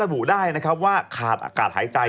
บุได้นะครับว่าขาดอากาศหายใจ